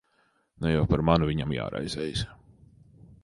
Ne jau par mani viņam jāraizējas.